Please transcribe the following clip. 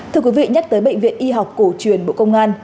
thưa quý vị nhắc tới bệnh viện y học cổ truyền bộ công an